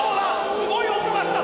すごい音がした！